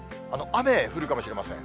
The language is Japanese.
雨、降るかもしれません。